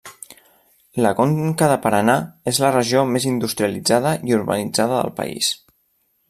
La conca de Paraná és la regió més industrialitzada i urbanitzada del país.